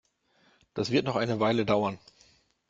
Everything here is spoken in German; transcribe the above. Das wird noch eine Weile dauern.